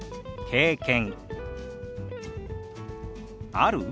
「経験」